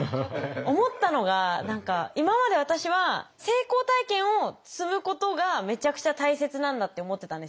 思ったのが今まで私は成功体験を積むことがめちゃくちゃ大切なんだって思ってたんですよ。